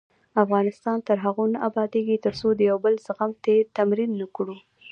افغانستان تر هغو نه ابادیږي، ترڅو د یو بل زغمل تمرین نکړو.